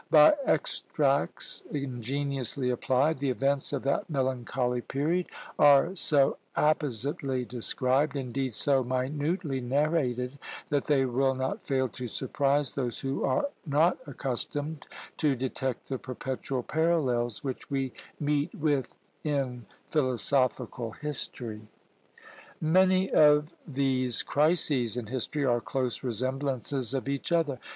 By extracts ingeniously applied, the events of that melancholy period are so appositely described, indeed so minutely narrated, that they will not fail to surprise those who are not accustomed to detect the perpetual parallels which we meet with in philosophical history. Many of these crises in history are close resemblances of each other.